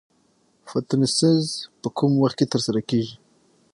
فتوسنتیز په کوم وخت کې ترسره کیږي